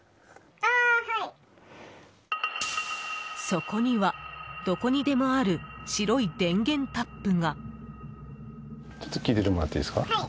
そこには、どこにでもある白い電源タップが。